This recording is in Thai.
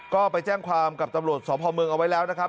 ก็ไปแจ้งความกับตำรวจสพเมืองเอาไว้แล้วนะครับ